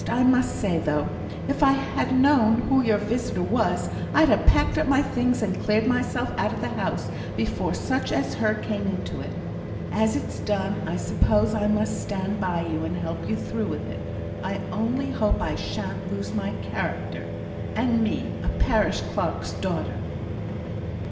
I must say, though, if I'd ha' known who your visitor was, I'd ha' packed up my things and cleared myself out of the house before such as her came into it. As it's done, I suppose I must stand by you, and help you through with it; I only hope I shan't lose my character, and me a parish clerk's daughter."